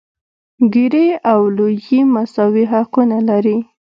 ګېري او لويي مساوي حقونه لري.